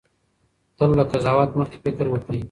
تل له قضاوت مخکې فکر وکړئ.